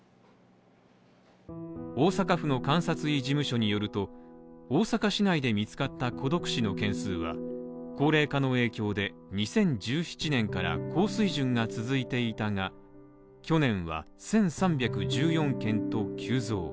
大阪府の監察医事務所によると、大阪市内で見つかった孤独死の件数は高齢化の影響で、２０１７年から高水準が続いていたが、去年は１３１４件と急増。